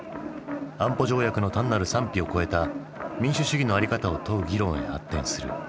安保条約の単なる賛否を超えた民主主義の在り方を問う議論へ発展する。